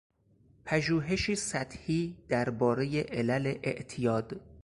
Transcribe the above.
پژوهشی سطحی دربارهی علل اعتیاد